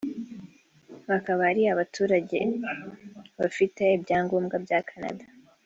bakaba ari abaturage bafite ibyangombwa bya Canada